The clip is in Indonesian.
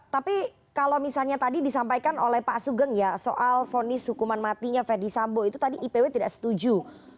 tapi kalau misalnya tadi disampaikan oleh pak sugeng ya soal fonis hukuman matinya ferdis sambo itu tadi ipw tidak setuju